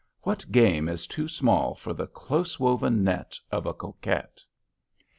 What game is too small for the close woven net of a coquette?